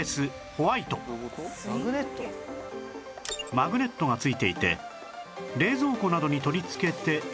マグネットが付いていて冷蔵庫などに取り付けて